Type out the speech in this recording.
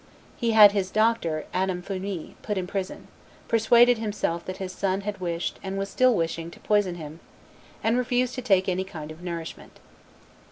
He had his doctor, Adam Fumee, put in prison; persuaded himself that his son had wished, and was still wishing, to poison him; and refused to take any kind of nourishment.